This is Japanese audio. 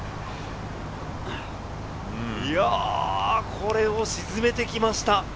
これを沈めてきました。